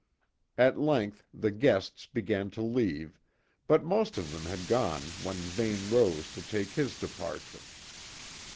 At length the guests began to leave, but most of them had gone when Vane rose to take his departure.